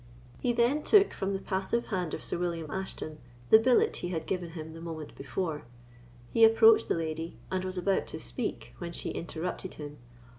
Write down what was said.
He then took from the passive hand of Sir William Ashton the billet he had given him the moment before he approached the lady, and was about to speak, when she interrupted him.